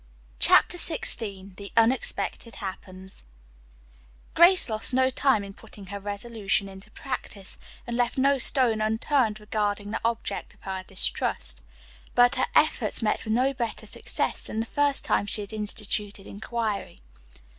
CHAPTER XVI THE UNEXPECTED HAPPENS Grace lost no time in putting her resolution into practice, and left no stone unturned regarding the object of her distrust. But her efforts met with no better success than the first time she had instituted inquiry.